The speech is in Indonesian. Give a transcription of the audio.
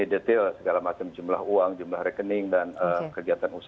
disampaikan oleh pak dian